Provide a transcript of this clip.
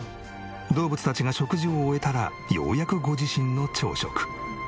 動物たちが食事を終えたらようやくご自身の朝食。